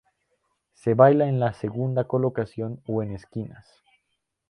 Se baila en la segunda colocación o en esquinas.